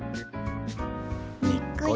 にっこり。